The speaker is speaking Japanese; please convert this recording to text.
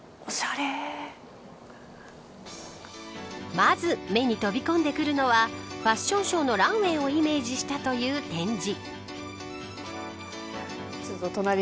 まず目に飛び込んでくるのはファッションショーのランウェイをイメージしたという展示。